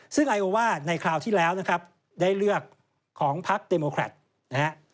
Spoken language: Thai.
ซึ่งไอโอว่าในคราวที่แล้วได้เลือกของพักริพรับริกัน